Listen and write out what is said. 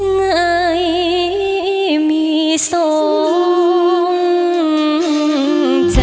ไงมีสองใจ